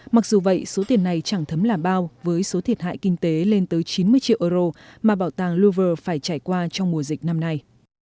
mặc dù vậy số tiền này chẳng thấm là bao với số thiệt hại kinh tế lên tới chín mươi triệu euro mà bảo tàng louvre phải trải qua trong mùa dịch năm nay